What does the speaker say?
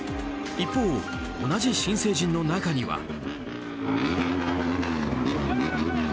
一方、同じ新成人の中には。